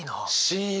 親友！